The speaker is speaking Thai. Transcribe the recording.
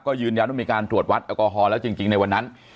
ก็ยืนยันว่ามีการตรวจวัดแอลกอฮอลแล้วจริงในวันนั้น